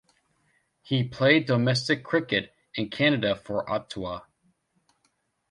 He played domestic cricket in Canada for Ottawa.